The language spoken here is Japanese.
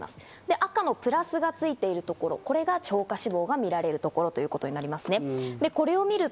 赤のプラスがついてるところ、これが超過死亡が見られるところということになりますね。